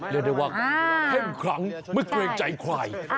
เลือกได้ว่าเข้มขังเมื่อเกรงใจไขว่